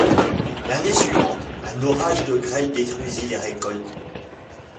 L'année suivante, un orage de grêle détruisit les récoltes.